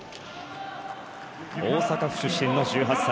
大阪府出身の１８歳。